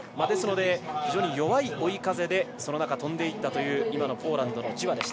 ですので非常に弱い追い風で飛んでいったという今のポーランドのジワ。